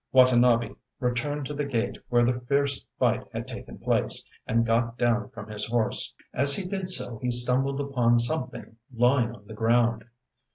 Watanabe returned to the gate where the fierce fight had taken place, and got down from his horse. As he did so he stumbled upon something lying on the ground.